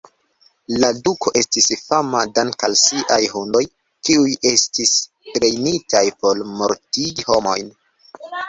La duko estis fama dank'al siaj hundoj, kiuj estis trejnitaj por mortigi homojn.